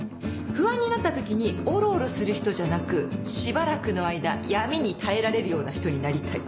「不安になった時におろおろする人じゃなくしばらくの間闇に耐えられるような人になりたい」。